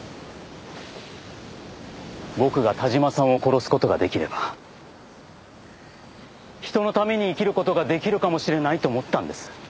僕が田島さんを殺す事が出来れば人のために生きる事が出来るかもしれないと思ったんです。